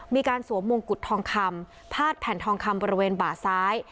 มีการสวมมงกุฎทองคำพาดแผ่นทองคำบริเวณบ่าซ้าย